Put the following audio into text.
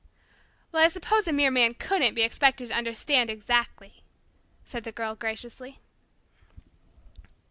"Well, I suppose a mere man couldn't be expected to understand exactly," said the Girl graciously.